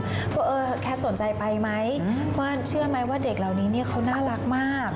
เพราะว่าแคทมีความสนใจไปไหมชื่อไหมว่าเด็กเรานี้เค้าน่ารักมาก